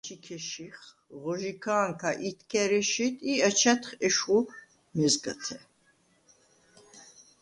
სგ’ე̄სდე გუდრათე ჩიქე შიხ, ღო ჟიქა̄ნქა ითქა̈რ ესშიდ ი აჩა̈დ ეშხუ მეზგათე.